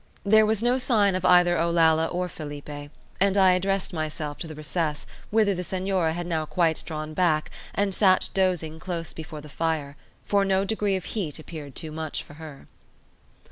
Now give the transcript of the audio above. There was no sign of either Olalla or Felipe, and I addressed myself to the recess, whither the Senora had now drawn quite back and sat dozing close before the fire, for no degree of heat appeared too much for her.